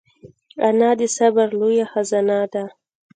انا د صبر لویه خزانه ده